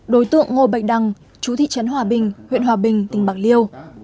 đối tượng ngô bạch đăng chú thị trấn hòa bình huyện hòa bình tỉnh bạc liêu